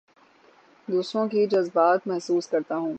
دوسروں کے جذبات محسوس کرتا ہوں